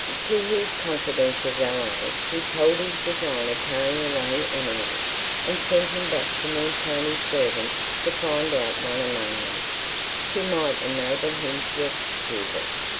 To his confidential valet he told his design of carrying away Emily, and sent him back to Montoni's servants to find out one among them, who might enable him to execute it.